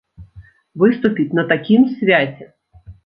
Выступіць на такім свяце!